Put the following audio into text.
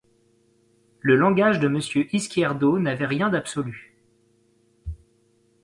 Le langage de Monsieur Yzquierdo n'avait rien d'absolu.